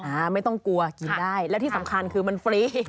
ไม่ต้องกลัวกินได้แล้วที่สำคัญคือมันฟรี